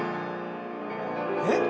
えっ？